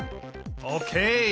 オーケー！